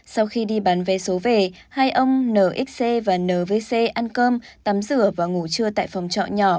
sau khi đi bán vé số về hai ông nxc và nvc ăn cơm tắm rửa và ngủ trưa tại phòng trọ nhỏ